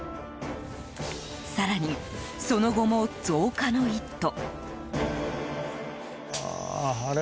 更に、その後も増加の一途。